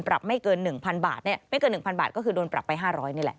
ไม่เกิน๑๐๐บาทไม่เกิน๑๐๐บาทก็คือโดนปรับไป๕๐๐นี่แหละ